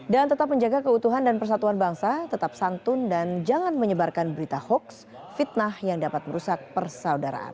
dan tetap menjaga keutuhan dan persatuan bangsa tetap santun dan jangan menyebarkan berita hoaks fitnah yang dapat merusak persaudaraan